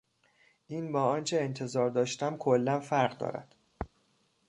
این با آنچه انتظار داشتم کلا فرق دارد.